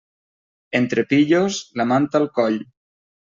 Entre pillos, la manta al coll.